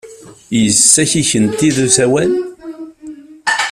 Yessaki-kent-id usawal?